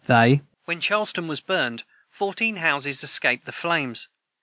] [Footnote 202: When Charlestown was burned, fourteen houses escaped the flames.